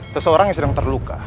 seseorang yang sedang terluka